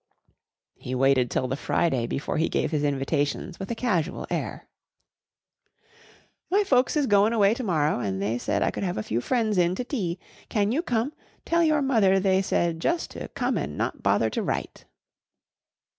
'" He waited till the Friday before he gave his invitations with a casual air. "My folks is goin' away to morrow an' they said I could have a few fren's in to tea. Can you come? Tell your mother they said jus' to come an' not bother to write."